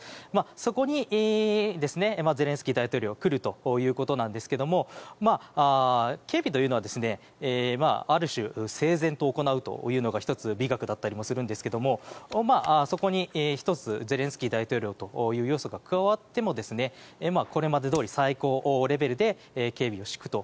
そこにゼレンスキー大統領が来るということなんですが警備というのはある種整然と行うというのが１つ美学だったりもするんですがそこに１つ、ゼレンスキー大統領という要素が加わってもこれまでどおり最高レベルで警備を敷くと。